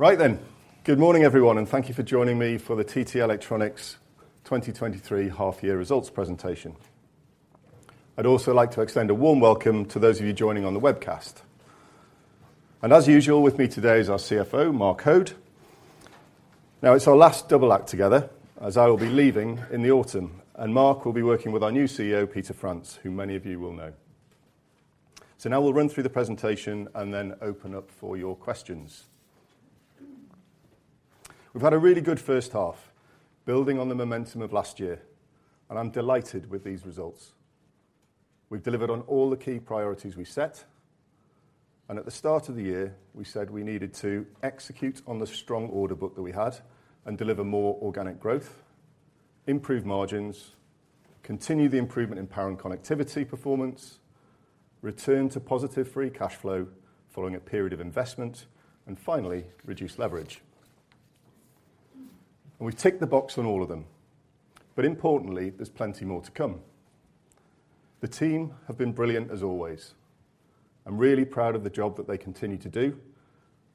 Right then. Good morning, everyone, and thank you for joining me for the TT Electronics' 2023 half year results presentation. I'd also like to extend a warm welcome to those of you joining on the webcast. As usual, with me today is our CFO, Mark Hoad. Now, it's our last double act together, as I will be leaving in the autumn, and Mark will be working with our new CEO, Peter France, who many of you will know. Now we'll run through the presentation and then open up for your questions. We've had a really good H1 building on the momentum of last year, and I'm delighted with these results. We've delivered on all the key priorities we set, and at the start of the year, we said we needed to execute on the strong order book that we had and deliver more organic growth, improve margins, continue the improvement in power and connectivity performance, return to positive free cash flow following a period of investment, and finally, reduce leverage. We've ticked the box on all of them. Importantly, there's plenty more to come. The team have been brilliant, as always. I'm really proud of the job that they continue to do.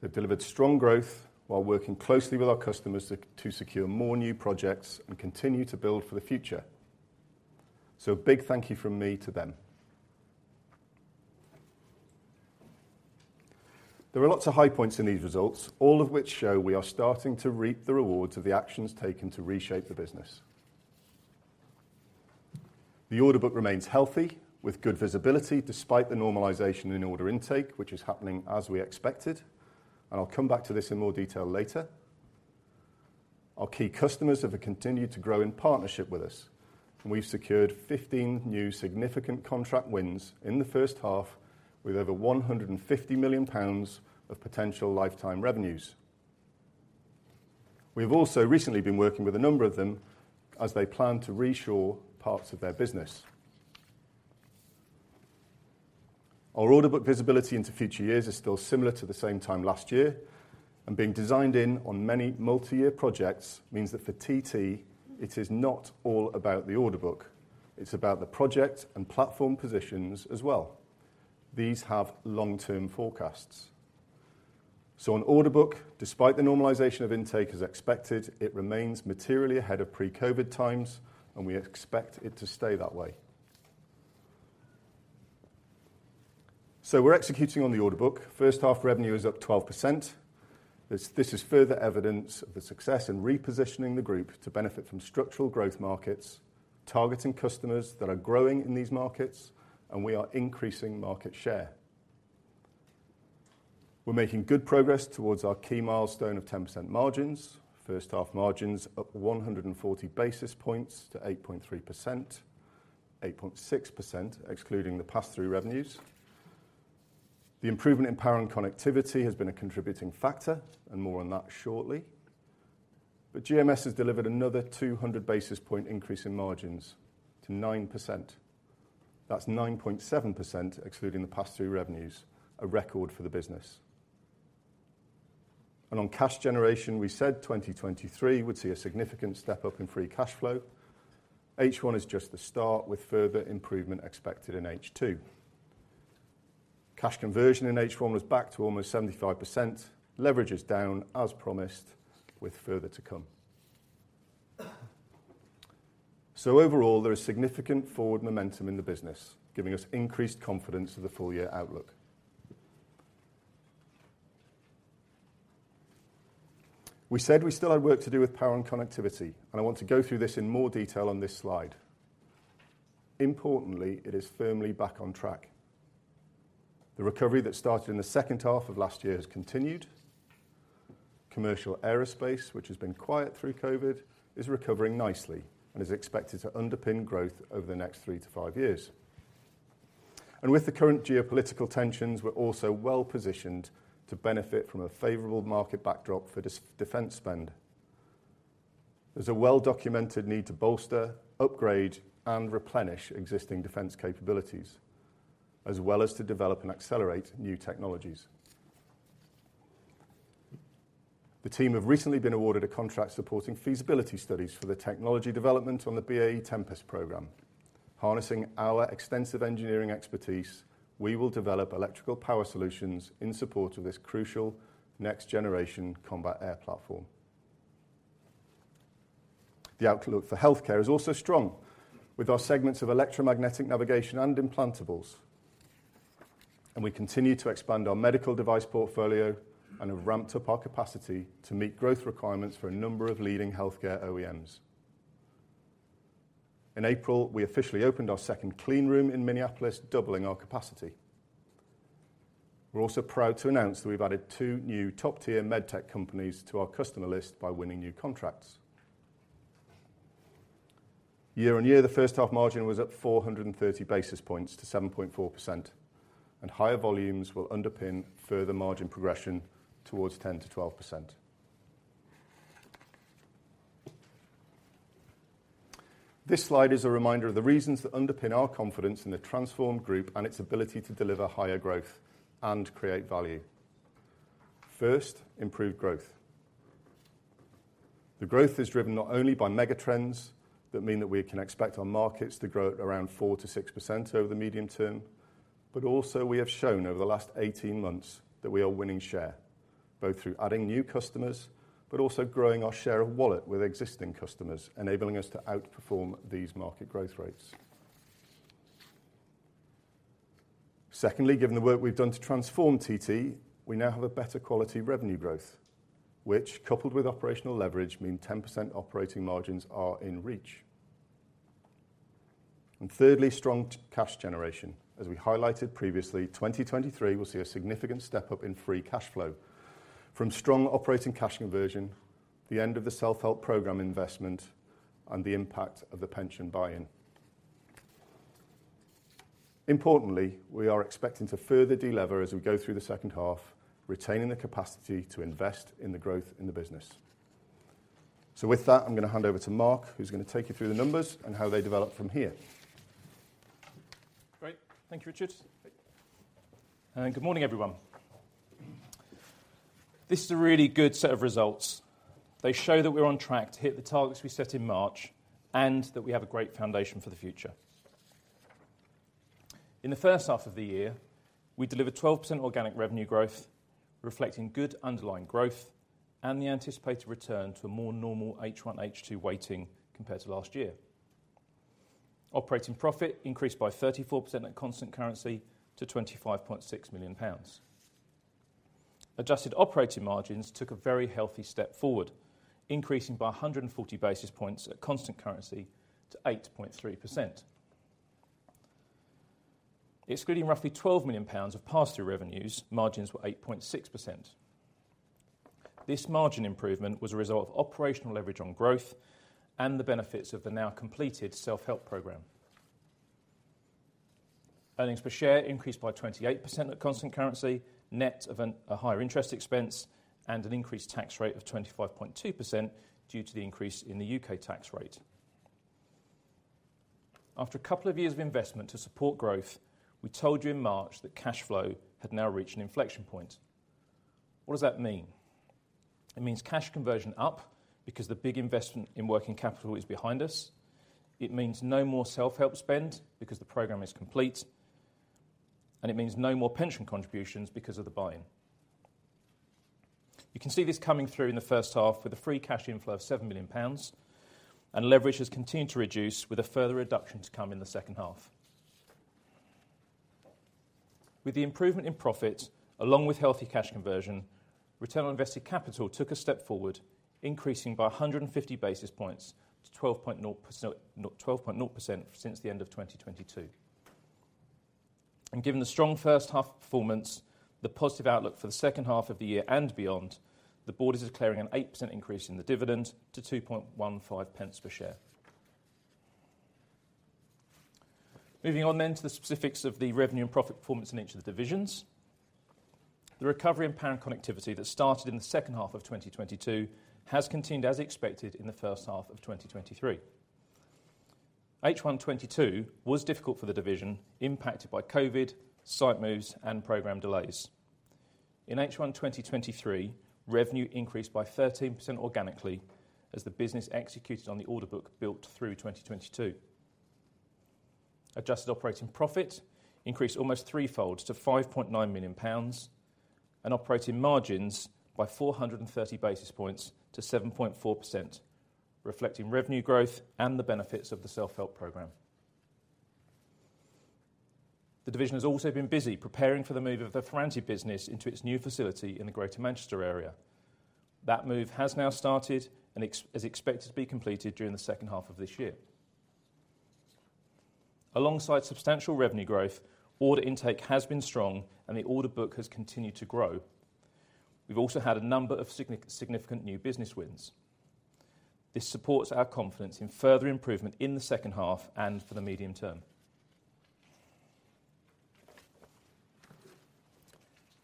They've delivered strong growth while working closely with our customers to secure more new projects and continue to build for the future. A big thank you from me to them. There are lots of high points in these results, all of which show we are starting to reap the rewards of the actions taken to reshape the business. The order book remains healthy, with good visibility despite the normalization in order intake, which is happening as we expected, and I'll come back to this in more detail later. Our key customers have continued to grow in partnership with us, and we've secured 15 new significant contract wins in the H1 with over 150 million pounds of potential lifetime revenues. We have also recently been working with a number of them as they plan to reshore parts of their business. Our order book visibility into future years is still similar to the same time last year, and being designed in on many multi-year projects means that for TT, it is not all about the order book, it's about the project and platform positions as well. These have long-term forecasts. On order book, despite the normalization of intake as expected, it remains materially ahead of pre-COVID times, and we expect it to stay that way. We're executing on the order book. First half revenue is up 12%. This is further evidence of the success in repositioning the group to benefit from structural growth markets, targeting customers that are growing in these markets, and we are increasing market share. We're making good progress towards our key milestone of 10% margins. First half margins up 140 basis points to 8.3%, 8.6%, excluding the pass-through revenues. The improvement in power and connectivity has been a contributing factor, and more on that shortly. GMS has delivered another 200 basis point increase in margins to 9%. That's 9.7%, excluding the pass-through revenues, a record for the business. On cash generation, we said 2023 would see a significant step-up in free cash flow. H1 is just the start, with further improvement expected in H2. Cash conversion in H1 was back to almost 75%. Leverage is down, as promised, with further to come. Overall, there is significant forward momentum in the business, giving us increased confidence for the full year outlook. We said we still had work to do with power and connectivity. I want to go through this in more detail on this slide. Importantly, it is firmly back on track. The recovery that started in the H2 of last year has continued. Commercial aerospace, which has been quiet through COVID, is recovering nicely and is expected to underpin growth over the next three-five years. With the current geopolitical tensions, we're also well positioned to benefit from a favorable market backdrop for defense spend. There's a well-documented need to bolster, upgrade, and replenish existing defense capabilities, as well as to develop and accelerate new technologies. The team have recently been awarded a contract supporting feasibility studies for the technology development on the BAE Tempest Program. Harnessing our extensive engineering expertise, we will develop electrical power solutions in support of this crucial next-generation combat air platform. The outlook for healthcare is also strong, with our segments of electromagnetic navigation and implantables, and we continue to expand our medical device portfolio and have ramped up our capacity to meet growth requirements for a number of leading healthcare OEMs. In April, we officially opened our second clean room in Minneapolis, doubling our capacity. We're also proud to announce that we've added two new top-tier medtech companies to our customer list by winning new contracts. Year on year, the H1 margin was up 430 basis points to 7.4%, and higher volumes will underpin further margin progression towards 10%-12%. This slide is a reminder of the reasons that underpin our confidence in the transformed group and its ability to deliver higher growth and create value. First, improved growth.... The growth is driven not only by megatrends that mean that we can expect our markets to grow at around 4%-6% over the medium term, but also we have shown over the last 18 months that we are winning share, both through adding new customers, but also growing our share of wallet with existing customers, enabling us to outperform these market growth rates. Secondly, given the work we've done to transform TT, we now have a better quality revenue growth, which, coupled with operational leverage, mean 10% operating margins are in reach. Thirdly, strong cash generation. As we highlighted previously, 2023 will see a significant step-up in free cash flow from strong operating cash conversion, the end of the Self Help program investment, and the impact of the pension buy-in. Importantly, we are expecting to further delever as we go through the H2, retaining the capacity to invest in the growth in the business. With that, I'm gonna hand over to Mark, who's gonna take you through the numbers and how they develop from here. Great. Thank you, Richard. Good morning, everyone. This is a really good set of results. They show that we're on track to hit the targets we set in March, and that we have a great foundation for the future. In the H1 of the year, we delivered 12% organic revenue growth, reflecting good underlying growth and the anticipated return to a more normal H1/H2 weighting compared to last year. Operating profit increased by 34% at constant currency to 25.6 million pounds. Adjusted operating margins took a very healthy step forward, increasing by 140 basis points at constant currency to 8.3%. Excluding roughly 12 million pounds of pass-through revenues, margins were 8.6%. This margin improvement was a result of operational leverage on growth and the benefits of the now completed Self Help program. Earnings per share increased by 28% at constant currency, net of a higher interest expense and an increased tax rate of 25.2% due to the increase in the U.K. tax rate. After a couple of years of investment to support growth, we told you in March that cash flow had now reached an inflection point. What does that mean? It means cash conversion up because the big investment in working capital is behind us. It means no more Self Help spend because the program is complete, and it means no more pension contributions because of the buy-in. You can see this coming through in the H1 with a free cash inflow of 7 million pounds, and leverage has continued to reduce with a further reduction to come in the H2. With the improvement in profit, along with healthy cash conversion, return on invested capital took a step forward, increasing by 150 basis points to 12.0% since the end of 2022. Given the strong H1 performance, the positive outlook for the H2 of the year and beyond, the board is declaring an 8% increase in the dividend to 2.15 pence per share. Moving on to the specifics of the revenue and profit performance in each of the divisions. The recovery in Power and Connectivity that started in the H2 of 2022 has continued as expected in the H1 of 2023. H1 2022 was difficult for the division, impacted by COVID, site moves, and program delays. In H1 2023, revenue increased by 13% organically as the business executed on the order book built through 2022. Adjusted operating profit increased almost 3-fold to 5.9 million pounds, and operating margins by 430 basis points to 7.4%, reflecting revenue growth and the benefits of the Self Help program. The division has also been busy preparing for the move of the Ferranti business into its new facility in the Greater Manchester area. That move has now started and is expected to be completed during the H2 of this year. Alongside substantial revenue growth, order intake has been strong and the order book has continued to grow. We've also had a number of significant new business wins. This supports our confidence in further improvement in the H2 and for the medium term.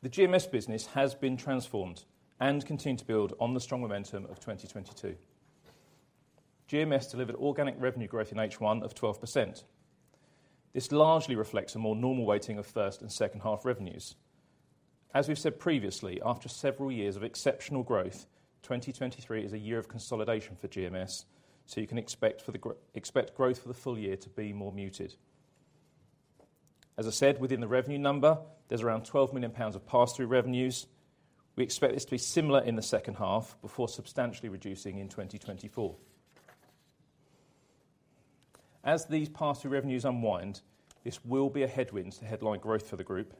The GMS business has been transformed and continued to build on the strong momentum of 2022. GMS delivered organic revenue growth in H1 of 12%. This largely reflects a more normal weighting of first and H2 revenues. As we've said previously, after several years of exceptional growth, 2023 is a year of consolidation for GMS, so you can expect growth for the full year to be more muted. As I said, within the revenue number, there's around 12 million pounds of pass-through revenues. We expect this to be similar in the H2 before substantially reducing in 2024. As these pass-through revenues unwind, this will be a headwind to headline growth for the group,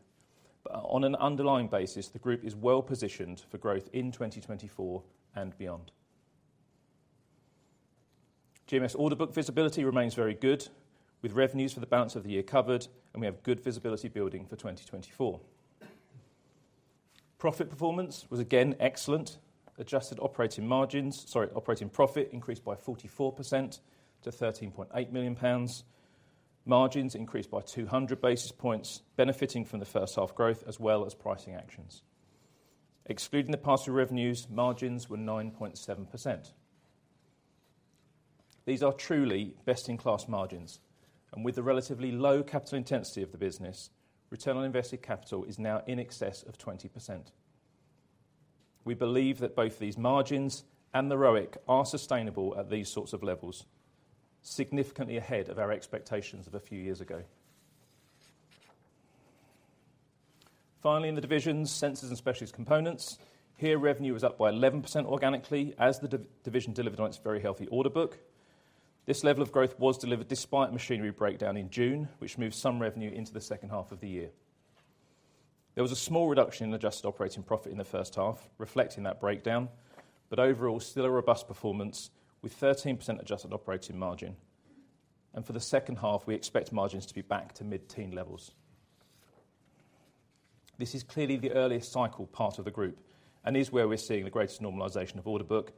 but on an underlying basis, the group is well positioned for growth in 2024 and beyond. GMS order book visibility remains very good, with revenues for the balance of the year covered. We have good visibility building for 2024. Profit performance was again excellent. Adjusted operating margins, sorry, operating profit increased by 44% to 13.8 million pounds. Margins increased by 200 basis points, benefiting from the H1 growth as well as pricing actions. Excluding the pass-through revenues, margins were 9.7%. These are truly best-in-class margins. With the relatively low capital intensity of the business, return on invested capital is now in excess of 20%. We believe that both these margins and the ROIC are sustainable at these sorts of levels, significantly ahead of our expectations of a few years ago. Finally, in the divisions, Sensors and Specialist Components, here revenue is up by 11% organically as the division delivered on its very healthy order book. This level of growth was delivered despite a machinery breakdown in June, which moved some revenue into the H2 of the year. There was a small reduction in adjusted operating profit in the H1 reflecting that breakdown, but overall, still a robust performance, with 13% adjusted operating margin. For the H2, we expect margins to be back to mid-teen levels. This is clearly the earliest cycle part of the group and is where we're seeing the greatest normalization of order book.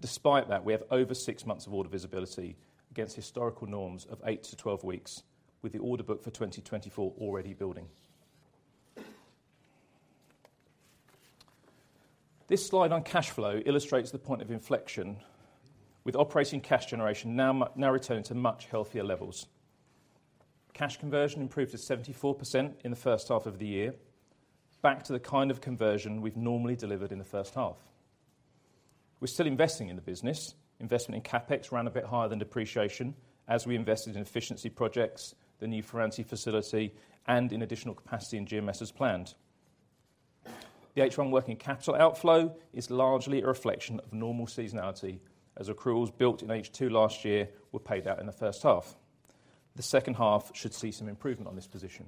Despite that, we have over six months of order visibility against historical norms of 8-12 weeks, with the order book for 2024 already building. This slide on cash flow illustrates the point of inflection, with operating cash generation now returning to much healthier levels. Cash conversion improved to 74% in the H1 of the year, back to the kind of conversion we've normally delivered in the H1. We're still investing in the business. Investment in CapEx ran a bit higher than depreciation as we invested in efficiency projects, the new Ferranti facility, and in additional capacity in GMS as planned. The H1 working capital outflow is largely a reflection of normal seasonality, as accruals built in H2 last year were paid out in the H1. The H2 should see some improvement on this position.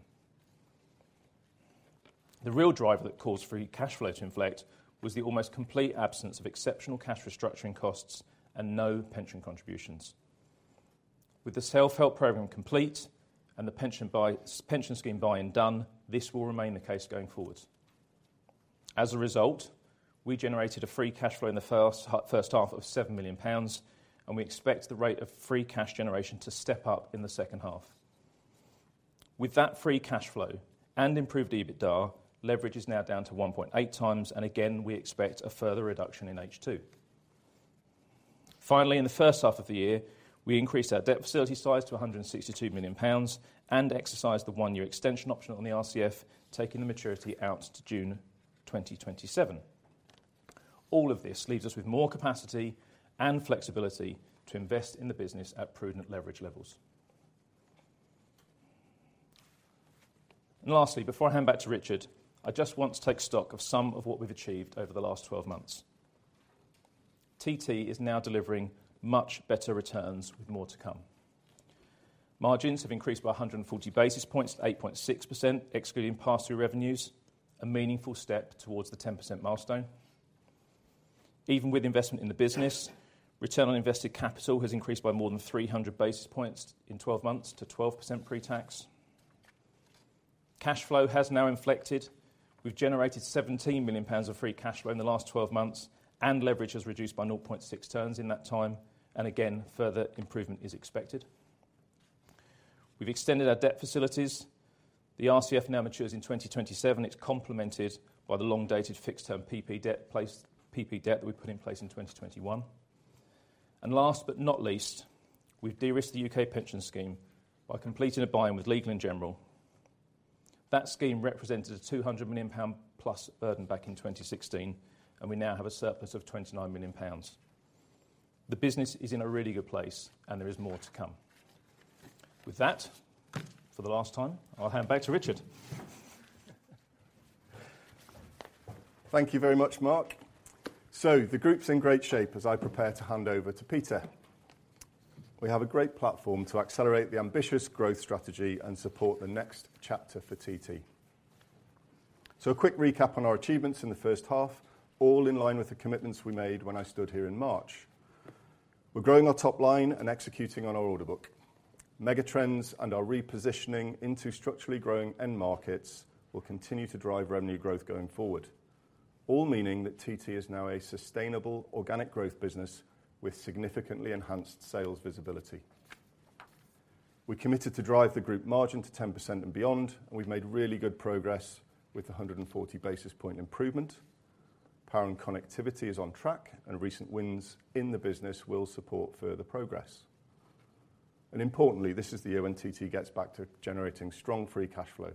The real driver that caused free cash flow to inflect was the almost complete absence of exceptional cash restructuring costs and no pension contributions. With the Sale-Help program complete and the pension buy... pension scheme buy-in done, this will remain the case going forward. As a result, we generated a free cash flow in the H1 H1 of 7 million pounds, and we expect the rate of free cash generation to step up in the H2. With that free cash flow and improved EBITDA, leverage is now down to 1.8 times, and again, we expect a further reduction in H2. Finally, in the H1 of the year, we increased our debt facility size to 162 million pounds and exercised the 1-year extension option on the RCF, taking the maturity out to June 2027. All of this leaves us with more capacity and flexibility to invest in the business at prudent leverage levels. Lastly, before I hand back to Richard, I just want to take stock of some of what we've achieved over the last 12 months. TT is now delivering much better returns with more to come. Margins have increased by 140 basis points to 8.6%, excluding pass-through revenues, a meaningful step towards the 10% milestone. Even with investment in the business, return on invested capital has increased by more than 300 basis points in 12 months to 12% pre-tax. Cash flow has now inflected. We've generated 17 million pounds of free cash flow in the last 12 months, and leverage has reduced by 0.6 turns in that time, and again, further improvement is expected. We've extended our debt facilities. The RCF now matures in 2027. It's complemented by the long-dated fixed-term PP debt that we put in place in 2021. Last but not least, we've de-risked the U.K. pension scheme by completing a buy-in with Legal and General. That scheme represented a 200 million pound plus burden back in 2016, and we now have a surplus of 29 million pounds. The business is in a really good place, and there is more to come. With that, for the last time, I'll hand back to Richard. Thank you very much, Mark. The group's in great shape as I prepare to hand over to Peter. We have a great platform to accelerate the ambitious growth strategy and support the next chapter for TT. A quick recap on our achievements in the H1 all in line with the commitments we made when I stood here in March. We're growing our top line and executing on our order book. Megatrends and our repositioning into structurally growing end markets will continue to drive revenue growth going forward. All meaning that TT is now a sustainable organic growth business with significantly enhanced sales visibility. We're committed to drive the group margin to 10% and beyond, and we've made really good progress with a 140 basis point improvement. Power and connectivity is on track, and recent wins in the business will support further progress. Importantly, this is the year when TT gets back to generating strong free cash flow.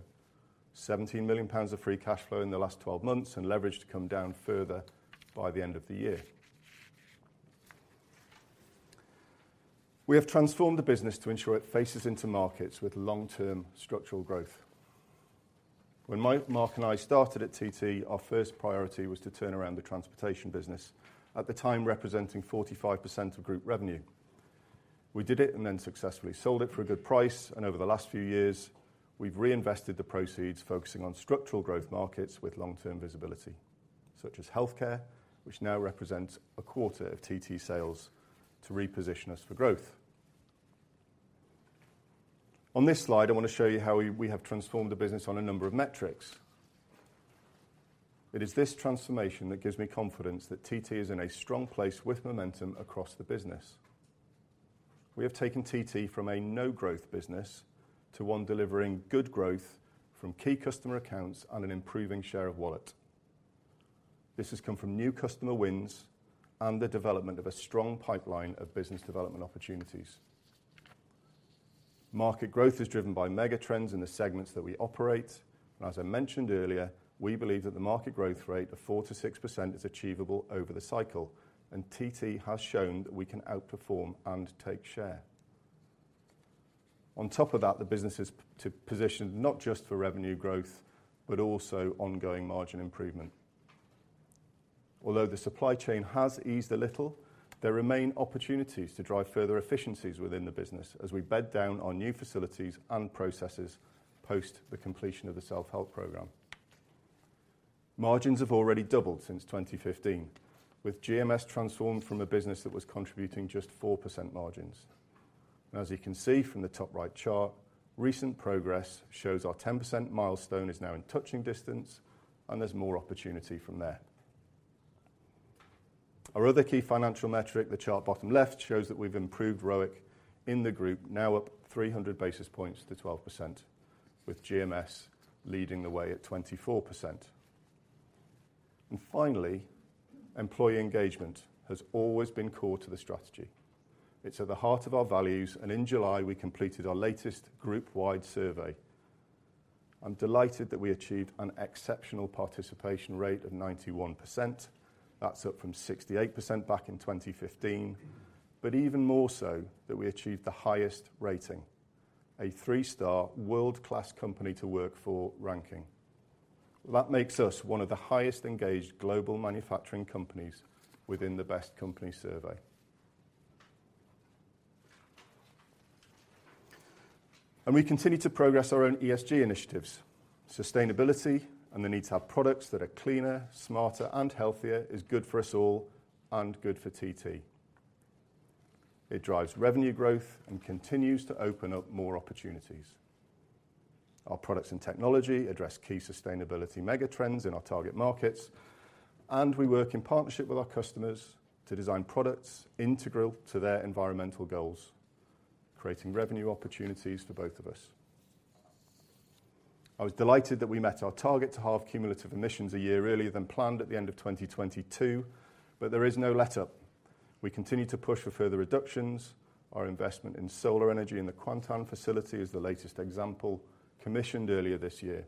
17 million pounds of free cash flow in the last 12 months and leverage to come down further by the end of the year. We have transformed the business to ensure it faces into markets with long-term structural growth. When Mark and I started at TT, our first priority was to turn around the transportation business, at the time, representing 45% of group revenue. We did it and then successfully sold it for a good price, and over the last few years, we've reinvested the proceeds, focusing on structural growth markets with long-term visibility, such as healthcare, which now represents a quarter of TT sales, to reposition us for growth. On this slide, I wanna show you how we have transformed the business on a number of metrics. It is this transformation that gives me confidence that TT is in a strong place with momentum across the business. We have taken TT from a no-growth business to one delivering good growth from key customer accounts and an improving share of wallet. This has come from new customer wins and the development of a strong pipeline of business development opportunities. Market growth is driven by mega trends in the segments that we operate, and as I mentioned earlier, we believe that the market growth rate of 4%-6% is achievable over the cycle, and TT has shown that we can outperform and take share. On top of that, the business is to positioned not just for revenue growth, but also ongoing margin improvement. Although the supply chain has eased a little, there remain opportunities to drive further efficiencies within the business as we bed down our new facilities and processes post the completion of the Self-Help program. Margins have already doubled since 2015, with GMS transformed from a business that was contributing just 4% margins. As you can see from the top right chart, recent progress shows our 10% milestone is now in touching distance, and there's more opportunity from there. Our other key financial metric, the chart bottom left, shows that we've improved ROIC in the group, now up 300 basis points to 12%, with GMS leading the way at 24%. Finally, employee engagement has always been core to the strategy. It's at the heart of our values, and in July, we completed our latest group-wide survey. I'm delighted that we achieved an exceptional participation rate of 91%. That's up from 68 back in 2015, but even more so, that we achieved the highest rating, a three-star world-class company to work for ranking. That makes us one of the highest engaged global manufacturing companies within the Best Companies survey. We continue to progress our own ESG initiatives. Sustainability and the need to have products that are cleaner, smarter, and healthier is good for us all and good for TT. It drives revenue growth and continues to open up more opportunities. Our products and technology address key sustainability mega trends in our target markets, and we work in partnership with our customers to design products integral to their environmental goals, creating revenue opportunities for both of us. I was delighted that we met our target to halve cumulative emissions a year earlier than planned at the end of 2022. There is no letup. We continue to push for further reductions. Our investment in solar energy in the Kuantan facility is the latest example, commissioned earlier this year.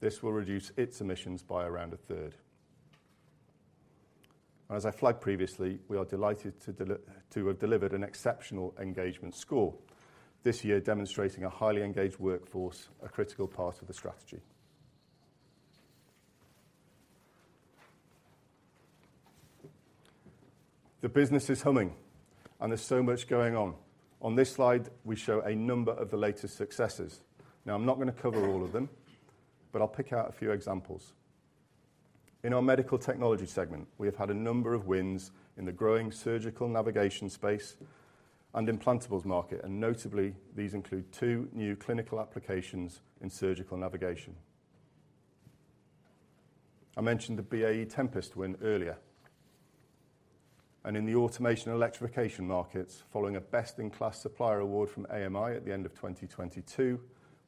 This will reduce its emissions by around a third. As I flagged previously, we are delighted to have delivered an exceptional engagement score this year, demonstrating a highly engaged workforce, a critical part of the strategy. The business is humming, and there's so much going on. On this slide, we show a number of the latest successes. I'm not gonna cover all of them, but I'll pick out a few examples. In our medical technology segment, we have had a number of wins in the growing surgical navigation space and implantables market, and notably, these include two new clinical applications in surgical navigation. I mentioned the BAE Tempest win earlier. In the automation electrification markets, following a best-in-class supplier award from AMI at the end of 2022,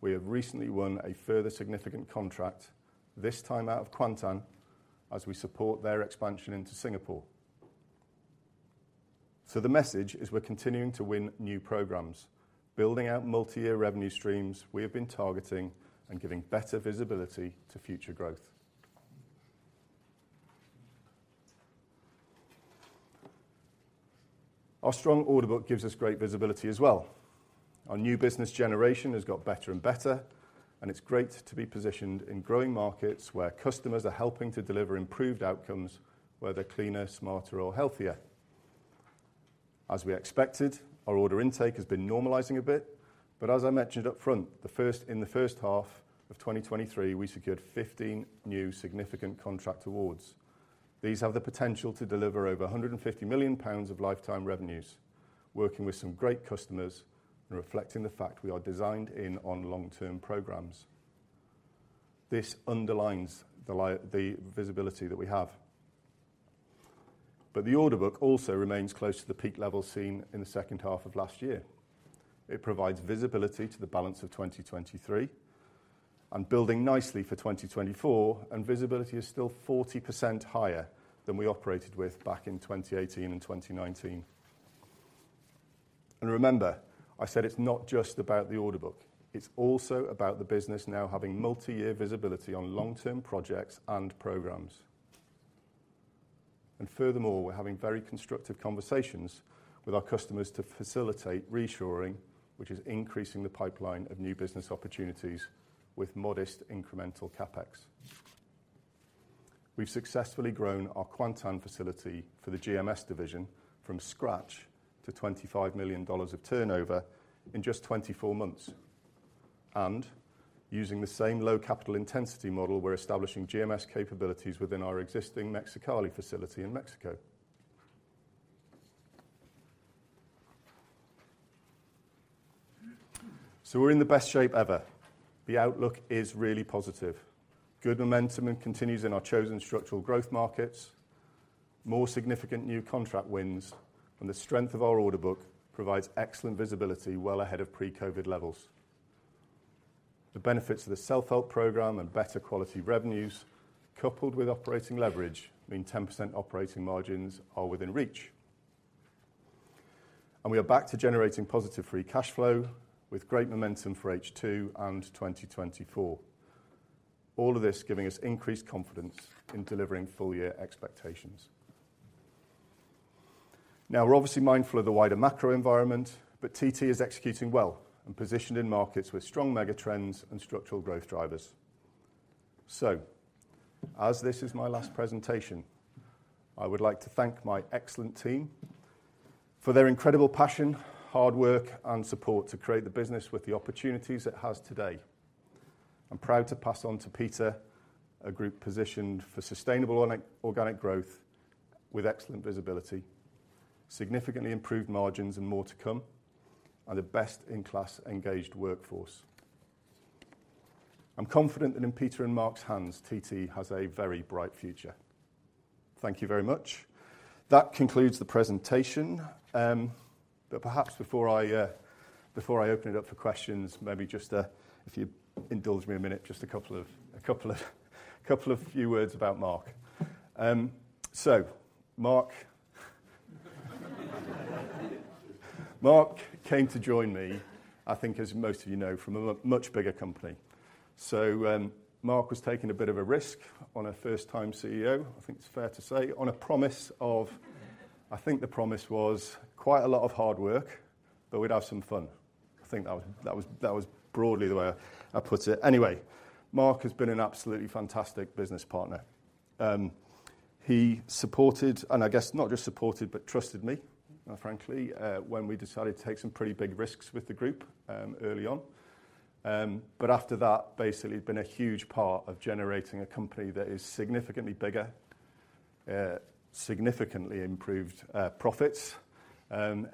we have recently won a further significant contract, this time out of Kuantan, as we support their expansion into Singapore. The message is we're continuing to win new programs, building out multi-year revenue streams we have been targeting and giving better visibility to future growth. Our strong order book gives us great visibility as well. Our new business generation has got better and better, and it's great to be positioned in growing markets where customers are helping to deliver improved outcomes, whether cleaner, smarter, or healthier. As we expected, our order intake has been normalizing a bit, as I mentioned up front, in the H1 of 2023, we secured 15 new significant contract awards. These have the potential to deliver over 150 million pounds of lifetime revenues, working with some great customers and reflecting the fact we are designed in on long-term programs. This underlines the visibility that we have. The order book also remains close to the peak level seen in the H2 of last year. It provides visibility to the balance of 2023 and building nicely for 2024, and visibility is still 40% higher than we operated with back in 2018 and 2019. Remember, I said, it's not just about the order book. It's also about the business now having multi-year visibility on long-term projects and programs. Furthermore, we're having very constructive conversations with our customers to facilitate reshoring, which is increasing the pipeline of new business opportunities with modest incremental CapEx. We've successfully grown our Kuantan facility for the GMS division from scratch to $25 million of turnover in just 24 months. Using the same low capital intensity model, we're establishing GMS capabilities within our existing Mexicali facility in Mexico. We're in the best shape ever. The outlook is really positive. Good momentum and continues in our chosen structural growth markets. More significant new contract wins, and the strength of our order book provides excellent visibility well ahead of pre-COVID levels.... the benefits of the self-help program and better quality revenues, coupled with operating leverage, mean 10% operating margins are within reach. We are back to generating positive free cash flow, with great momentum for H2 and 2024. All of this giving us increased confidence in delivering full-year expectations. We're obviously mindful of the wider macro environment, but TT is executing well and positioned in markets with strong mega trends and structural growth drivers. As this is my last presentation, I would like to thank my excellent team for their incredible passion, hard work, and support to create the business with the opportunities it has today. I'm proud to pass on to Peter, a group positioned for sustainable organic growth with excellent visibility, significantly improved margins, and more to come, and a best-in-class engaged workforce. I'm confident that in Peter and Mark's hands, TT has a very bright future. Thank you very much. That concludes the presentation. Perhaps before I before I open it up for questions, maybe just if you indulge me a minute, just a couple of, a couple of, couple of few words about Mark. Mark came to join me, I think, as most of you know, from a much bigger company. Mark was taking a bit of a risk on a first-time CEO, I think it's fair to say, on a promise of... I think the promise was quite a lot of hard work, but we'd have some fun. I think that was, that was, that was broadly the way I put it. Anyway, Mark has been an absolutely fantastic business partner. He supported, and I guess not just supported, but trusted me, frankly, when we decided to take some pretty big risks with the group, early on. After that, basically, he's been a huge part of generating a company that is significantly bigger, significantly improved, profits,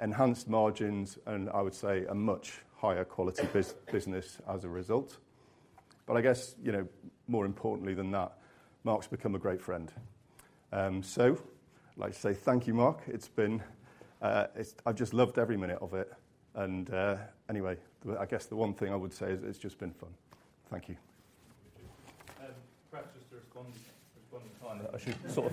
enhanced margins, and I would say a much higher quality business as a result. I guess, you know, more importantly than that, Mark's become a great friend. I'd like to say thank you, Mark. It's been. I've just loved every minute of it. Anyway, I guess the one thing I would say is it's just been fun. Thank you. Perhaps just to respond, respond in kind, I should sort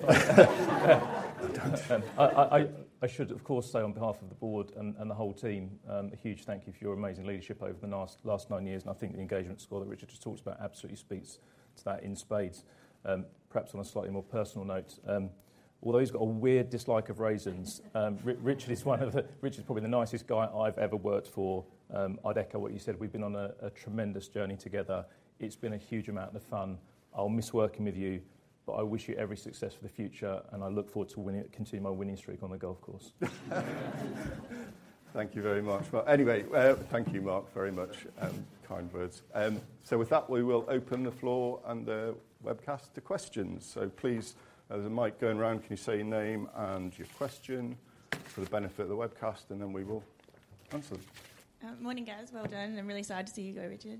of I should, of course, say on behalf of the board and, and the whole team, a huge thank you for your amazing leadership over the last, last nine years. I think the engagement score that Richard just talked about absolutely speaks to that in spades. Perhaps on a slightly more personal note, although he's got a weird dislike of raisins, Richard is probably the nicest guy I've ever worked for. I'd echo what you said. We've been on a tremendous journey together. It's been a huge amount of fun. I'll miss working with you, but I wish you every success for the future, and I look forward to winning, continue my winning streak on the golf course. Thank you very much. Well, anyway, thank you, Mark, very much. Kind words. With that, we will open the floor and the webcast to questions. Please, there's a mic going around. Can you say your name and your question for the benefit of the webcast, and then we will answer them. Morning, guys. Well done. I'm really sad to see you go, Richard.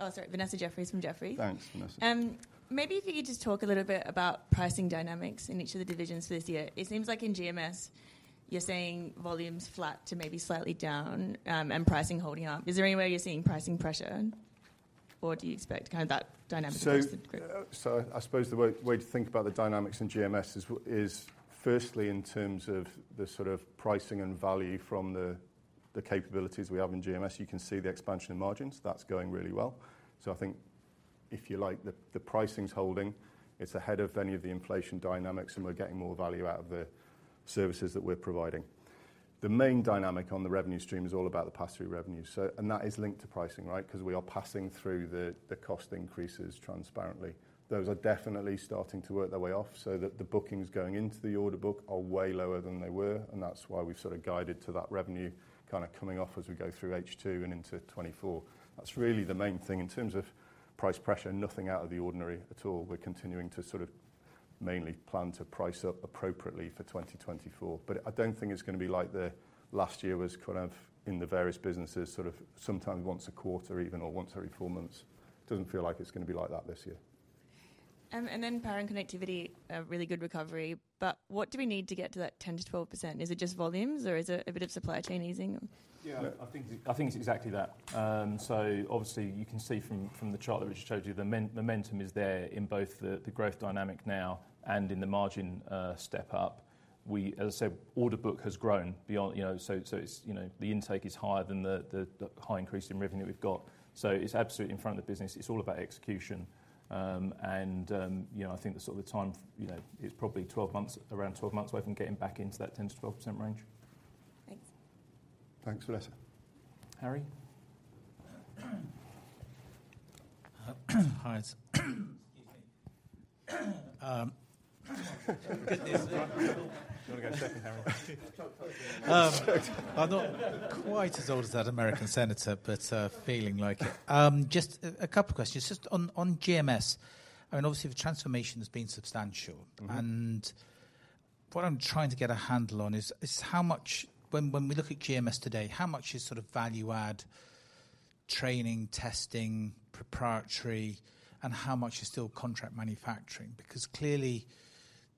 Oh, sorry. Vanessa Jeffriess from Jefferies. Thanks, Vanessa. Maybe if you could just talk a little bit about pricing dynamics in each of the divisions this year. It seems like in GMS, you're saying volume's flat to maybe slightly down, and pricing holding up. Is there anywhere you're seeing pricing pressure, or do you expect kind of that dynamic across the group? I suppose the way to think about the dynamics in GMS is firstly in terms of the sort of pricing and value from the capabilities we have in GMS. You can see the expansion in margins. That's going really well. I think if you like, the pricing's holding, it's ahead of any of the inflation dynamics, and we're getting more value out of the services that we're providing. The main dynamic on the revenue stream is all about the pass-through revenue. And that is linked to pricing, right? Because we are passing through the cost increases transparently. Those are definitely starting to work their way off, so that the bookings going into the order book are way lower than they were, and that's why we've sort of guided to that revenue kind of coming off as we go through H2 and into 2024. That's really the main thing. In terms of price pressure, nothing out of the ordinary at all. We're continuing to sort of mainly plan to price up appropriately for 2024. I don't think it's gonna be like the last year was kind of in the various businesses, sort of sometimes once a quarter even, or once every four months. Doesn't feel like it's gonna be like that this year. Then power and connectivity, a really good recovery. What do we need to get to that 10%-12%? Is it just volumes, or is it a bit of supply chain easing? Yeah, I think, I think it's exactly that. Obviously, you can see from, from the chart that Richard showed you, the momentum is there in both the, the growth dynamic now and in the margin, step-up. As I said, order book has grown beyond, you know, it's, you know, the intake is higher than the, the, the high increase in revenue that we've got. It's absolutely in front of the business. It's all about execution. You know, I think the sort of the time, you know, is probably 12 months, around 12 months away from getting back into that 10%-12% range. Thanks. Thanks, Vanessa. Harry? Hi. Excuse me. You want to go check in, Harry? I'm not quite as old as that American senator, but feeling like it. Just a couple questions. Just on, on GMS, I mean, obviously, the transformation has been substantial. Mm-hmm. What I'm trying to get a handle on is, is how much when, when we look at GMS today, how much is sort of value add, training, testing, proprietary, and how much is still contract manufacturing? Clearly,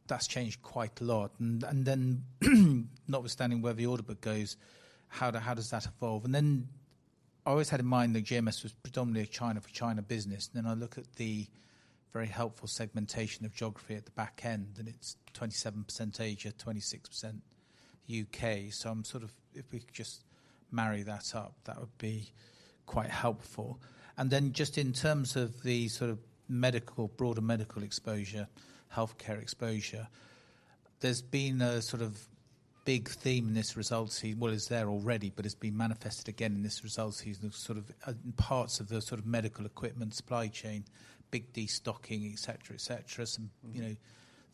that's changed quite a lot. Notwithstanding where the order book goes, how do, how does that evolve? I always had in mind that GMS was predominantly a China for China business. I look at the very helpful segmentation of geography at the back end, and it's 27% Asia, 26% U.K. I'm sort of, if we could just marry that up, that would be quite helpful. Just in terms of the sort of medical, broader medical exposure, healthcare exposure, there's been a sort of big theme in this results here. Well, it's there already, but it's been manifested again in this results season, of sort of, parts of the sort of medical equipment, supply chain, big destocking, et cetera, et cetera. Mm-hmm. you know,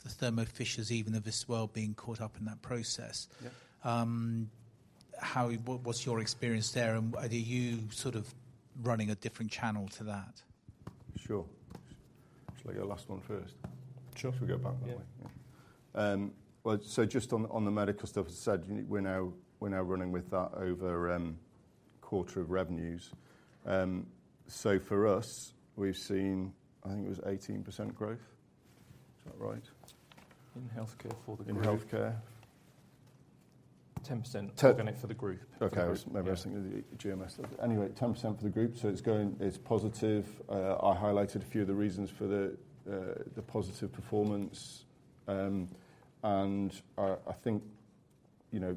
the Thermo Fisher, even of this world being caught up in that process. Yep. What's your experience there, and are you sort of running a different channel to that? Sure. Actually, your last one first. Sure. We go back that way. Yeah. Well, just on, on the medical stuff, as I said, we're now, we're now running with that over a quarter of revenues. For us, we've seen, I think it was 18% growth. Is that right? In healthcare for the group. In healthcare. 10%. Te- -organic for the group. Okay. I was maybe thinking the GMS. Anyway, 10% for the group, so it's going... It's positive. I highlighted a few of the reasons for the positive performance. I think, you know,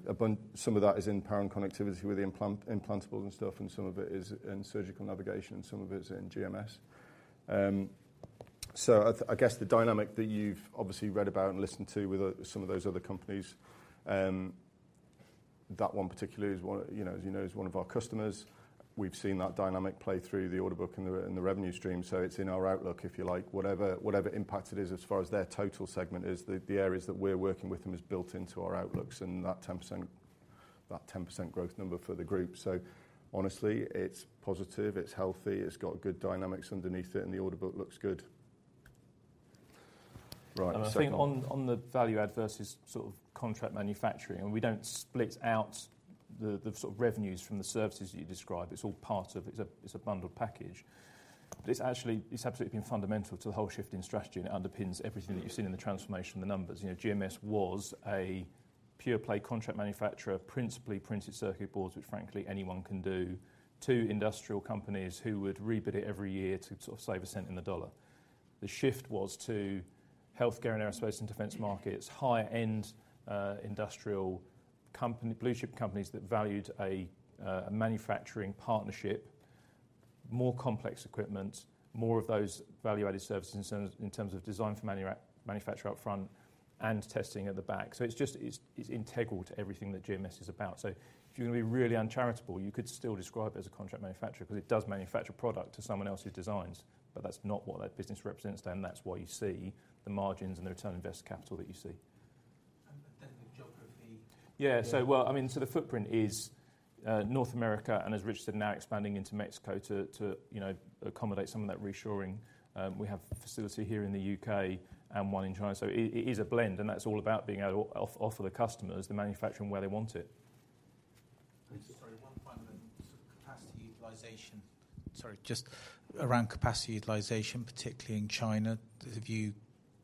some of that is in power and connectivity with the implantables and stuff, and some of it is in surgical navigation, and some of it is in GMS. I guess the dynamic that you've obviously read about and listened to with some of those other companies, that one particularly is one of... You know, as you know, is one of our customers. We've seen that dynamic play through the order book and the revenue stream, so it's in our outlook, if you like. Whatever, whatever impact it is as far as their total segment is, the, the areas that we're working with them is built into our outlooks and that 10%, that 10% growth number for the group. Honestly, it's positive, it's healthy, it's got good dynamics underneath it, and the order book looks good. Right. I think on, on the value-add versus sort of contract manufacturing, we don't split out the, the sort of revenues from the services that you described. It's all part of it. It's a, it's a bundled package. It's actually, it's absolutely been fundamental to the whole shift in strategy, and it underpins everything that you've seen in the transformation of the numbers. You know, GMS was a pure-play contract manufacturer of principally printed circuit boards, which frankly anyone can do, to industrial companies who would rebid it every year to sort of save a cent in the dollar. The shift was to healthcare and aerospace and defense markets, higher-end industrial company, blue-chip companies that valued a manufacturing partnership, more complex equipment, more of those value-added services in terms, in terms of design for manufacture up front and testing at the back. It's just, it's integral to everything that GMS is about. If you're going to be really uncharitable, you could still describe it as a contract manufacturer, because it does manufacture product to someone else's designs, but that's not what that business represents today, and that's why you see the margins and the return on invested capital that you see. Then the geography. Yeah. Yeah. Well, I mean, so the footprint is North America, and as Richard said, now expanding into Mexico to, you know, accommodate some of that reshoring. We have a facility here in the U.K. and one in China. It, it is a blend, and that's all about being able to offer the customers the manufacturing where they want it. Thank you. Sorry, one final one. Sort of capacity utilization. Sorry, just around capacity utilization, particularly in China,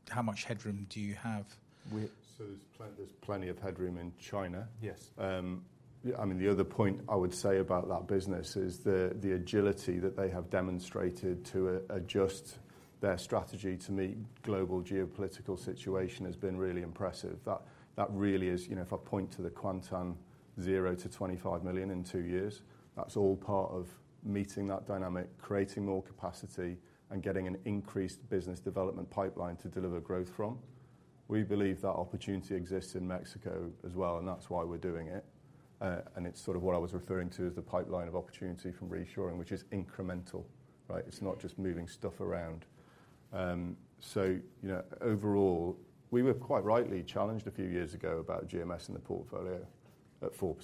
how much headroom do you have? We- There's plenty, there's plenty of headroom in China. Yes. I mean, the other point I would say about that business is the agility that they have demonstrated to adjust their strategy to meet global geopolitical situation has been really impressive. That, that really is, you know, if I point to the Kuantan, 0-GBP 25 million in two years, that's all part of meeting that dynamic, creating more capacity, and getting an increased business development pipeline to deliver growth from. We believe that opportunity exists in Mexico as well, and that's why we're doing it. It's sort of what I was referring to as the pipeline of opportunity from reshoring, which is incremental, right? It's not just moving stuff around. You know, overall, we were quite rightly challenged a few years ago about GMS in the portfolio at 4% or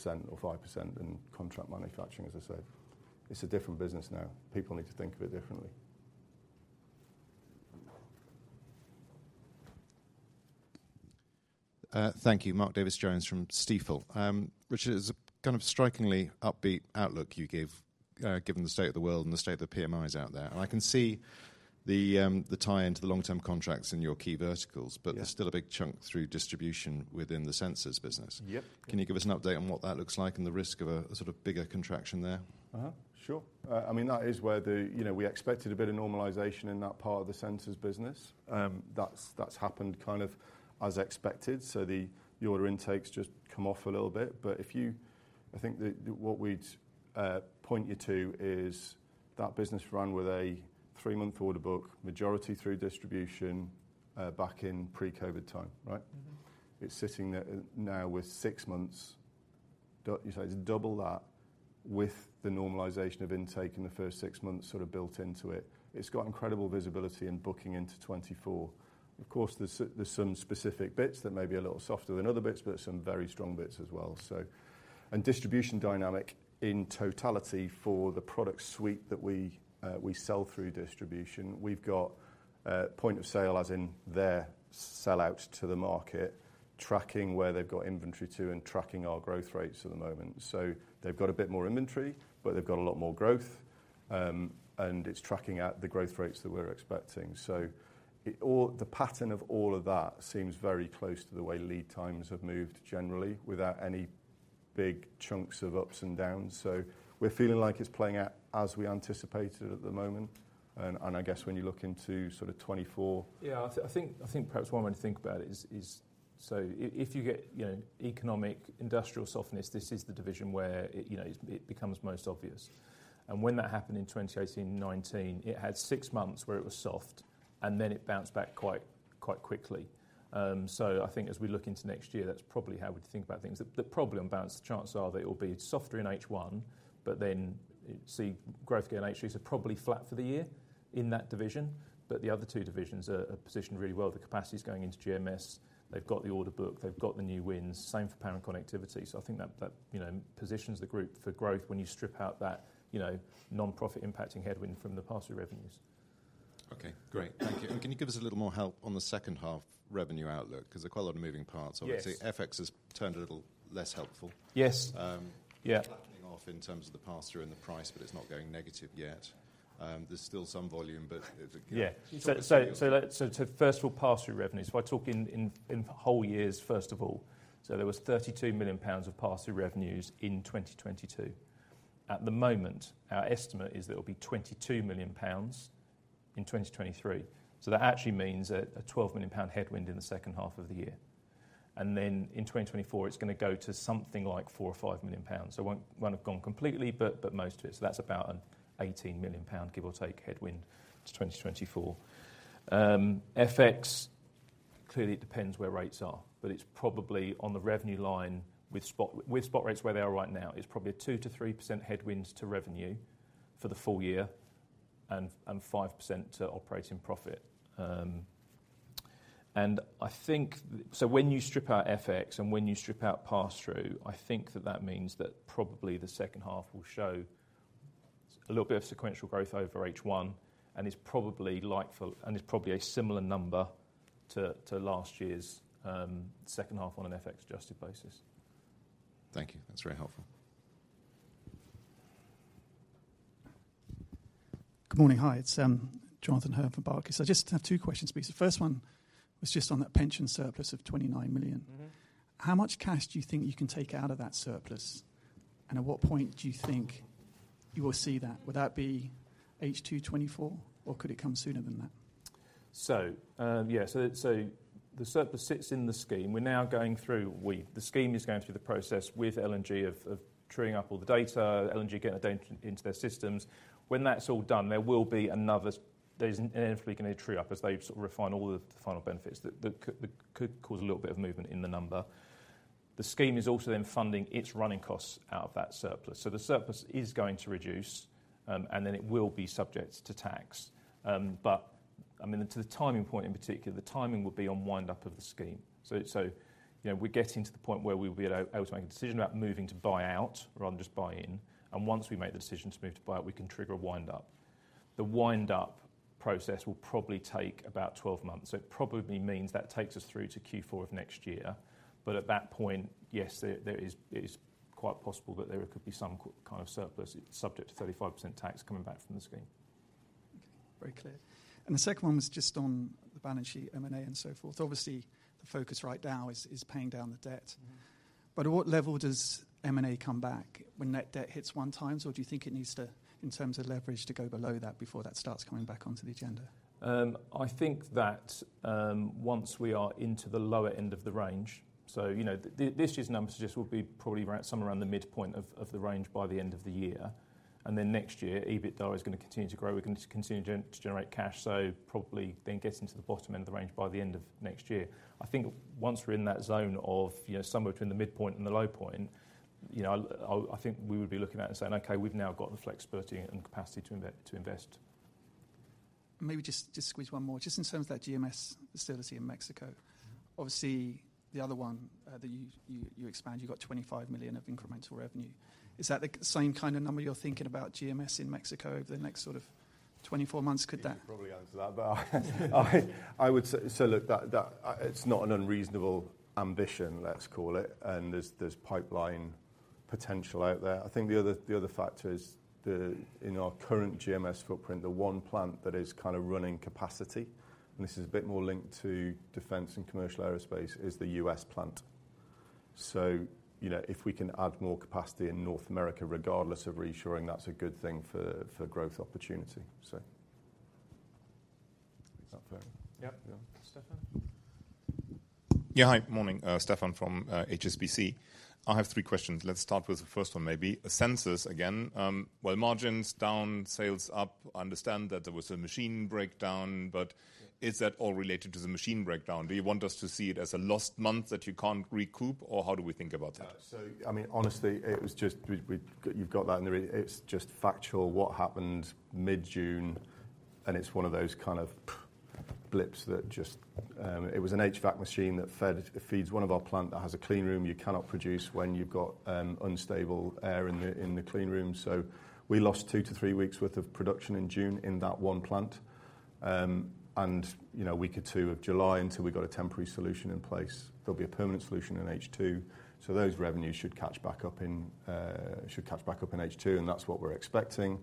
5% in contract manufacturing, as I said. It's a different business now. People need to think of it differently. Thank you. Mark Davies-Jones from Stifel. Which is a kind of strikingly upbeat outlook you give, given the state of the world and the state of the PMIs out there. I can see the, the tie-in to the long-term contracts in your key verticals- Yep. There's still a big chunk through distribution within the sensors business. Yep. Can you give us an update on what that looks like and the risk of a, a sort of bigger contraction there? Sure. I mean, that is where the... You know, we expected a bit of normalization in that part of the sensors business. That's, that's happened kind of as expected, so the order intakes just come off a little bit. I think that what we'd point you to is that business ran with a three-month order book, majority through distribution, back in pre-COVID time, right? Mm-hmm. It's sitting there now with 6 months, it's double that, with the normalization of intake in the first 6 months sort of built into it. It's got incredible visibility in booking into 2024. Of course, there's some specific bits that may be a little softer than other bits, but some very strong bits as well. Distribution dynamic in totality for the product suite that we sell through distribution, we've got a point of sale, as in their sellout to the market, tracking where they've got inventory to and tracking our growth rates at the moment. They've got a bit more inventory, but they've got a lot more growth. It's tracking at the growth rates that we're expecting. The pattern of all of that seems very close to the way lead times have moved generally, without any big chunks of ups and downs. We're feeling like it's playing out as we anticipated at the moment, and I guess when you look into sort of 2024. Yeah, I think, I think perhaps one way to think about it is, if you get, you know, economic, industrial softness, this is the division where it, you know, it becomes most obvious. When that happened in 2018 and 2019, it had six months where it was soft, and then it bounced back quite, quite quickly. I think as we look into next year, that's probably how we'd think about things. The problem bounce, the chances are that it will be softer in H1, but then it see growth again in H3, so probably flat for the year in that division. The other two divisions are positioned really well. The capacity's going into GMS. They've got the order book. They've got the new wins. Same for Power and Connectivity, so I think that, that, you know, positions the group for growth when you strip out that, you know, nonprofit impacting headwind from the pass-through revenues. Okay, great. Thank you. Can you give us a little more help on the H2 revenue outlook? Because there are quite a lot of moving parts, obviously. Yes. FX has turned a little less helpful. Yes. Yeah. Flattening off in terms of the pass-through and the price, but it's not going negative yet. There's still some volume. Yeah. So- First of all, pass-through revenues. If I talk in whole years, first of all, there was 32 million pounds of pass-through revenues in 2022. At the moment, our estimate is that it'll be 22 million pounds in 2023. That actually means a 12 million pound headwind in the H2 of the year. Then in 2024, it's gonna go to something like 4 million or 5 million pounds. Won't have gone completely, but most of it. That's about a 18 million pound, give or take, headwind to 2024. FX, clearly it depends where rates are, but it's probably on the revenue line with spot-- with spot rates where they are right now, it's probably a 2%-3% headwind to revenue for the full year and 5% to operating profit. I think... when you strip out FX and when you strip out pass-through, I think that that means that probably the H2 will show a little bit of sequential growth over H1, is probably like for-- is probably a similar number to, to last year's H2 on an an FX-adjusted basis. Thank you. That's very helpful. Good morning. Hi, it's Jonathan Hurn from Barclays. I just have two questions, please. The first one was just on that pension surplus of 29 million. Mm-hmm. How much cash do you think you can take out of that surplus? At what point do you think you will see that? Would that be H2 2024, or could it come sooner than that? Yeah, the surplus sits in the scheme. We're now going through, the scheme is going through the process with LNG of truing up all the data, LNG getting it into their systems. When that's all done, there will be another. There's inevitably going to true up as they sort of refine all the final benefits that could cause a little bit of movement in the number. The scheme is also then funding its running costs out of that surplus. The surplus is going to reduce, and then it will be subject to tax. I mean, to the timing point in particular, the timing will be on wind up of the scheme. You know, we're getting to the point where we will be able to make a decision about moving to buy out rather than just buy in. Once we make the decision to move to buy out, we can trigger a wind up. The wind-up process will probably take about 12 months. It probably means that takes us through to Q4 of next year. At that point, yes, there, there is, it is quite possible that there could be some kind of surplus, subject to 35% tax coming back from the scheme. Okay, very clear. The second one was just on the balance sheet, M&A, and so forth. Obviously, the focus right now is paying down the debt. Mm-hmm. At what level does M&A come back when net debt hits 1x or do you think it needs to, in terms of leverage, to go below that before that starts coming back onto the agenda? I think that once we are into the lower end of the range, you know, this year's numbers just will be probably around, somewhere around the midpoint of the range by the end of the year. Then next year, EBITDA is going to continue to grow. We're going to continue to generate cash, probably then getting to the bottom end of the range by the end of next year. I think once we're in that zone of, you know, somewhere between the midpoint and the low point, you know, I think we would be looking at it and saying, "Okay, we've now got the flexibility and capacity to invest, to invest. Maybe just, just squeeze one more. Just in terms of that GMS facility in Mexico. Mm-hmm. Obviously, the other one, that you, you, you expanded, you got $25 million of incremental revenue. Is that the same kind of number you're thinking about GMS in Mexico over the next sort of 24 months? He can probably answer that, but I, I would say... Look, that, that, it's not an unreasonable ambition, let's call it, and there's, there's pipeline potential out there. I think the other, the other factor is the, in our current GMS footprint, the one plant that is kind of running capacity, and this is a bit more linked to defense and commercial aerospace, is the U.S. plant. You know, if we can add more capacity in North America, regardless of reshoring, that's a good thing for, for growth opportunity. So... Is that fair? Yeah. Yeah. Stefan? Yeah. Hi, morning. Stephan from HSBC. I have three questions. Let's start with the first one, maybe. Sensors again. Well, margins down, sales up. I understand that there was a machine breakdown, but is that all related to the machine breakdown? Do you want us to see it as a lost month that you can't recoup, or how do we think about that? I mean, honestly, it was just... We, we, you've got that and the re- it's just factual what happened mid-June, and it's one of those kind of, pff, blips that just, it was an HVAC machine that fed, feeds one of our plant that has a clean room. You cannot produce when you've got, unstable air in the, in the clean room. We lost two to three weeks' worth of production in June in that one plant.... and, you know, one or two weeks of July until we got a temporary solution in place. There'll be a permanent solution in H2. Those revenues should catch back up in, should catch back up in H2, and that's what we're expecting.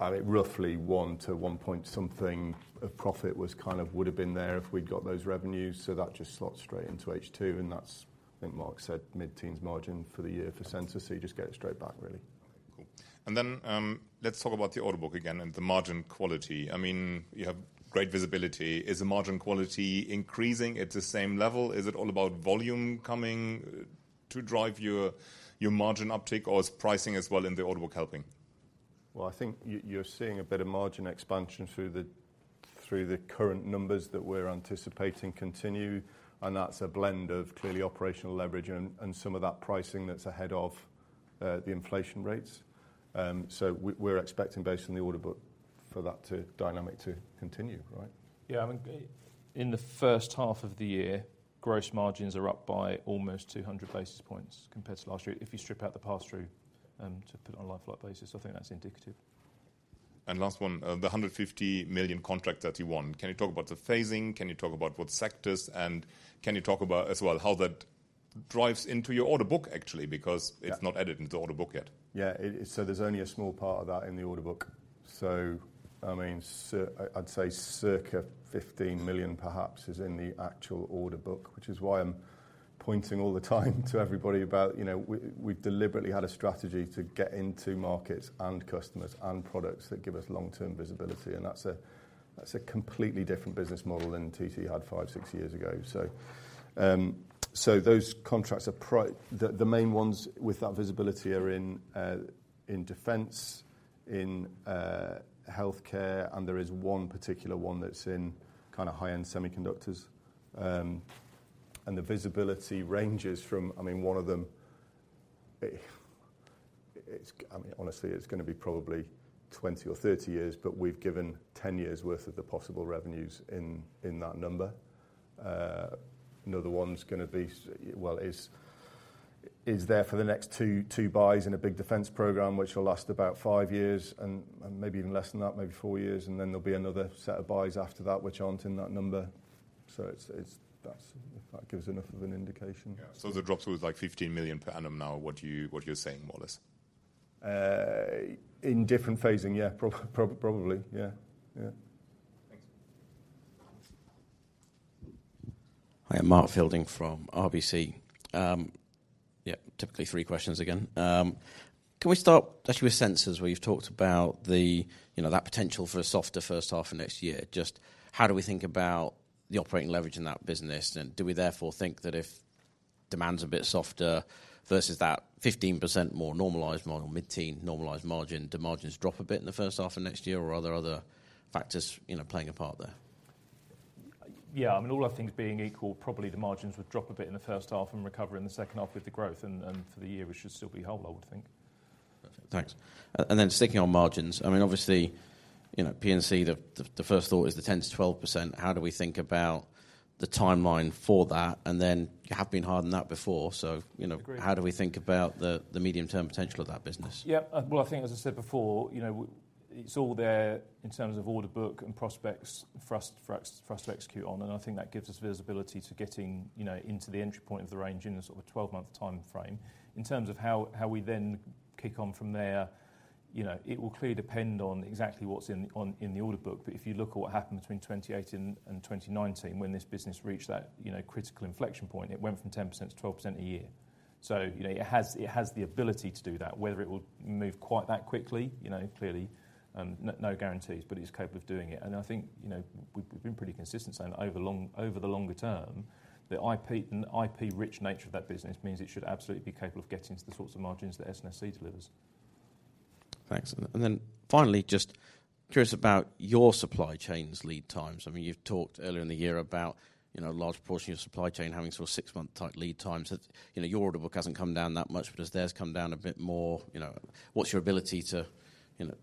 At roughly one-one point something, of profit was kind of would've been there if we'd got those revenues, so that just slots straight into H2, and that's, I think Mark said, mid-teens margin for the year for Sensor, so you just get it straight back really. Okay, cool. let's talk about the order book again and the margin quality. I mean, you have great visibility. Is the margin quality increasing at the same level? Is it all about volume coming to drive your, your margin uptick, or is pricing as well in the order book helping? Well, I think you, you're seeing a bit of margin expansion through the, through the current numbers that we're anticipating continue, and that's a blend of clearly operational leverage and, and some of that pricing that's ahead of the inflation rates. We, we're expecting, based on the order book, for that to dynamic to continue, right? Yeah, I mean, in the H1 of the year, gross margins are up by almost 200 basis points compared to last year. If you strip out the pass-through and to put it on a like-for-like basis, I think that's indicative. Last one, the 150 million contract that you won. Can you talk about the phasing? Can you talk about what sectors, and can you talk about as well, how that drives into your order book, actually? Yeah. Because it's not added into the order book yet. Yeah, it. There's only a small part of that in the order book. I mean, I'd say circa 15 million perhaps is in the actual order book, which is why I'm pointing all the time to everybody about, you know, we, we deliberately had a strategy to get into markets and customers and products that give us long-term visibility, and that's a, that's a completely different business model than TT had five, six years ago. Those contracts are the main ones with that visibility are in defense, in healthcare, and there is one particular one that's in kind of high-end semiconductors. The visibility ranges from. I mean, one of them, it's I mean, honestly, it's gonna be probably 20 or 30 years, but we've given 10 years' worth of the possible revenues in, in that number. Another one's gonna be, well, is, is there for the next two, two buys in a big defense program, which will last about five years and, and maybe even less than that, maybe four years, and then there'll be another set of buys after that, which aren't in that number. It's, it's, that's, if that gives enough of an indication. Yeah. The drop was, like, 15 million per annum now, what you, what you're saying, more or less? In different phasing, yeah, probably. Yeah, yeah. Thanks. Hi, I'm Mark Fielding from RBC. Yeah, typically three questions again. Can we start actually with sensors, where you've talked about the, you know, that potential for a softer H1 of next year? Just how do we think about the operating leverage in that business, and do we therefore think that if demand's a bit softer versus that 15% more normalized margin, mid-teen normalized margin, do margins drop a bit in the H1 of next year, or are there other factors, you know, playing a part there? Yeah, I mean, all other things being equal, probably the margins would drop a bit in the H1 and recover in the H2 with the growth, and for the year, we should still be whole, I would think. Perfect. Thanks. Then sticking on margins, I mean, obviously, you know, P&C, the first thought is the 10%-12%. How do we think about the timeline for that? Then you have been hard on that before, so, you know- Agreed. How do we think about the, the medium-term potential of that business? Yeah. Well, I think, as I said before, you know, it's all there in terms of order book and prospects for us, for us, for us to execute on, and I think that gives us visibility to getting, you know, into the entry point of the range in a sort of 12-month timeframe. In terms of how, how we then kick on from there, you know, it will clearly depend on exactly what's in, on, in the order book. If you look at what happened between 28 and 2019, when this business reached that, you know, critical inflection point, it went from 10% to 12% a year. You know, it has, it has the ability to do that. Whether it will move quite that quickly, you know, clearly, no, no guarantees, but it's capable of doing it. I think, you know, we've been pretty consistent saying that over the longer term, the IP, the IP-rich nature of that business means it should absolutely be capable of getting to the sorts of margins that SNHC delivers. Thanks. Then, finally, just curious about your supply chain's lead times. I mean, you've talked earlier in the year about, you know, a large portion of your supply chain having sort of six-month tight lead times. You know, your order book hasn't come down that much, but as theirs come down a bit more, you know, what's your ability to, you know,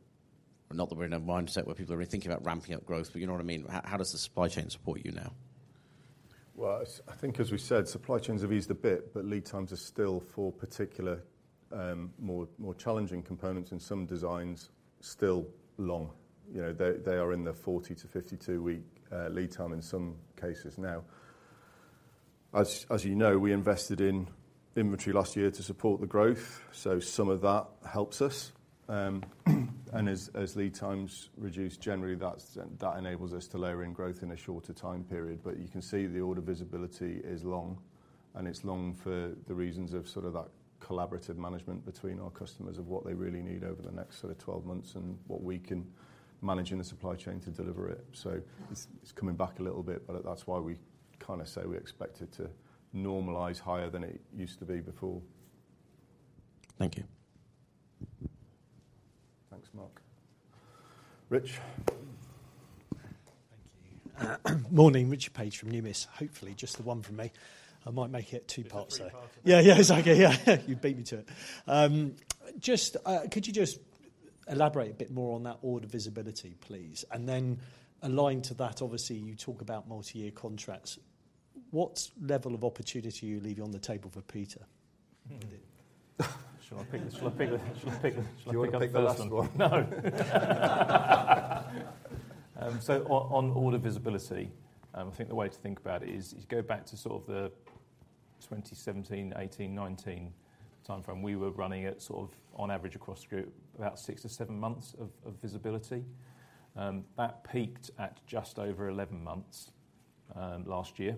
not that we're in a mindset where people are really thinking about ramping up growth, but you know what I mean. How, how does the supply chain support you now? Well, I think as we said, supply chains have eased a bit, but lead times are still for particular, more, more challenging components and some designs, still long. You know, they, they are in the 40-52-week lead time in some cases now. As, as you know, we invested in inventory last year to support the growth, so some of that helps us. As, as lead times reduce, generally, that's, that enables us to layer in growth in a shorter time period. You can see the order visibility is long, and it's long for the reasons of sort of that collaborative management between our customers of what they really need over the next sort of 12 months and what we can manage in the supply chain to deliver it. It's coming back a little bit, but that's why we kind of say we expect it to normalize higher than it used to be before. Thank you. Thanks, Mark. Rich? Thank you. Morning, Richard Page from Numis. Hopefully, just the one from me. I might make it two parts, though. Two parts. Yeah, yeah, it's okay. Yeah, you beat me to it. just, could you just elaborate a bit more on that order visibility, please? Aligned to that, obviously, you talk about multi-year contracts. What level of opportunity are you leaving on the table for Peter with it? Shall I pick, shall I pick, shall I pick, shall I pick the first one? Do you want to pick the last one? No. On, on order visibility, I think the way to think about it is, is go back to sort of the 2017, 2018, 2019 timeframe. We were running at sort of, on average, across the group, about six or seven months of, of visibility. That peaked at just over 11 months last year.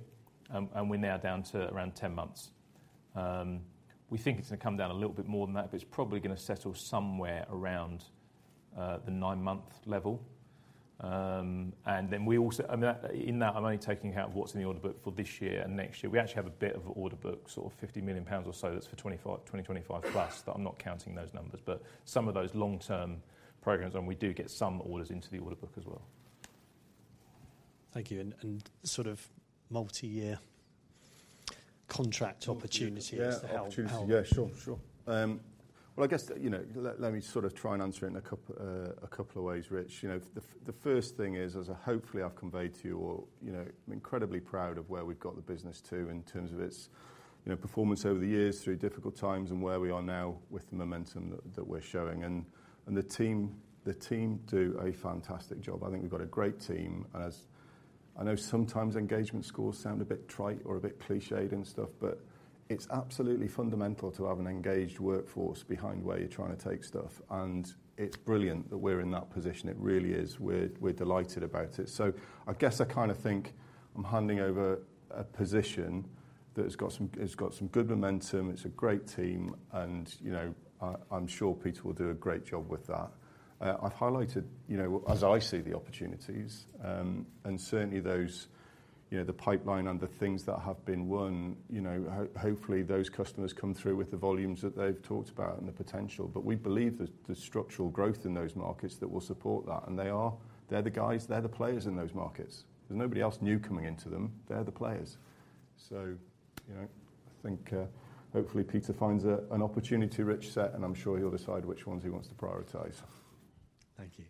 We're now down to around 10 months. We think it's gonna come down a little bit more than that, but it's probably gonna settle somewhere around the 9-month level. Then we also-- I mean, that, in that, I'm only taking out what's in the order book for this year and next year. We actually have a bit of order book, sort of 50 million pounds or so, that's for 2025, 2025 plus, but I'm not counting those numbers. Some of those long-term programs, and we do get some orders into the order book as well. Thank you, and sort of multi-year contract opportunities to help- Yeah, opportunities. Yeah, sure, sure. Well, I guess, you know, let me sort of try and answer it in a couple of ways, Rich. You know, the first thing is, as hopefully I've conveyed to you all, you know, I'm incredibly proud of where we've got the business to in terms of its, you know, performance over the years, through difficult times, and where we are now with the momentum that, that we're showing, and the team, the team do a fantastic job. I think we've got a great team, and as I know sometimes engagement scores sound a bit trite or a bit clichéd and stuff, but it's absolutely fundamental to have an engaged workforce behind where you're trying to take stuff. It's brilliant that we're in that position. It really is. We're delighted about it. I guess I kind of think I'm handing over a position that has got some... it's got some good momentum, it's a great team, and, you know, I, I'm sure Peter will do a great job with that. I've highlighted, you know, as I see the opportunities, and certainly those, you know, the pipeline and the things that have been won, you know, hopefully, those customers come through with the volumes that they've talked about and the potential. We believe there's, there's structural growth in those markets that will support that, and they are, they're the guys, they're the players in those markets. There's nobody else new coming into them. They're the players. You know, I think, hopefully Peter finds a, an opportunity-rich set, and I'm sure he'll decide which ones he wants to prioritize. Thank you.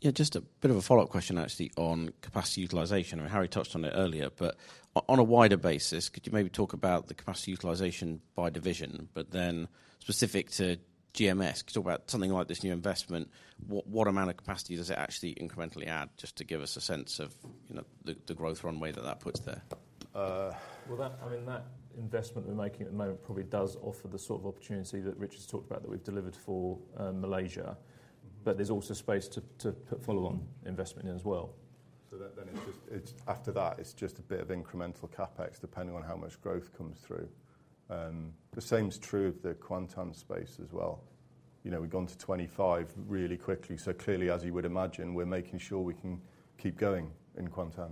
Yeah, just a bit of a follow-up question, actually, on capacity utilization, and Harry touched on it earlier. On a wider basis, could you maybe talk about the capacity utilization by division? Then specific to GMS, could you talk about something like this new investment, what, what amount of capacity does it actually incrementally add, just to give us a sense of, you know, the, the growth runway that that puts there? Well, that, I mean, that investment we're making at the moment probably does offer the sort of opportunity that Richard's talked about, that we've delivered for, Malaysia. There's also space to, to put follow-on investment in as well. Then, then it's just, it's after that, it's just a bit of incremental CapEx, depending on how much growth comes through. The same's true of the Kuantan space as well. You know, we've gone to 25 really quickly, so clearly, as you would imagine, we're making sure we can keep going in Kuantan.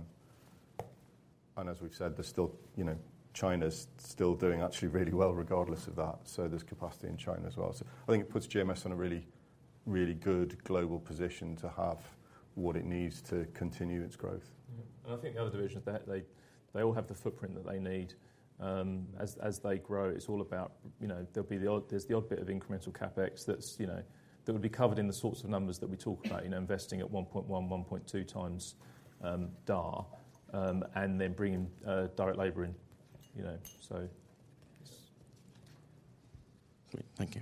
As we've said, there's still, you know, China's still doing actually really well regardless of that, so there's capacity in China as well. I think it puts GMS in a really, really good global position to have what it needs to continue its growth. Yeah, I think the other divisions, they, they, they all have the footprint that they need. As, as they grow, it's all about, you know, there's the odd bit of incremental CapEx that's, you know, that would be covered in the sorts of numbers that we talk about, you know, investing at 1.1x, 1.2x, DAR, and then bringing direct labor in, you know, so... Great. Thank you.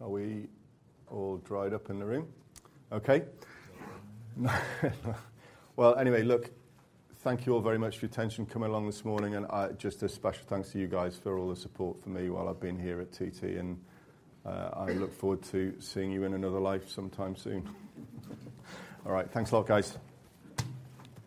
Are we all dried up in the room? Okay. Well, anyway, look, thank you all very much for your attention coming along this morning, and just a special thanks to you guys for all the support for me while I've been here at TT, and I look forward to seeing you in another life sometime soon. All right, thanks a lot, guys.